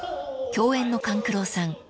［共演の勘九郎さん